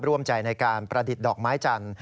ร่วมใจในการประดิษฐ์ดอกไม้จันทร์